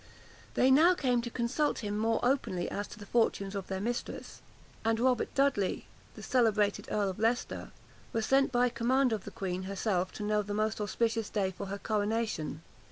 They now came to consult him more openly as to the fortunes of their mistress; and Robert Dudley, the celebrated Earl of Leicester, was sent by command of the Queen herself to know the most auspicious day for her coronation.